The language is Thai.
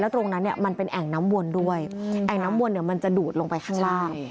ตรงนั้นเนี่ยมันเป็นแอ่งน้ำวนด้วยแอ่งน้ำวนเนี่ยมันจะดูดลงไปข้างล่าง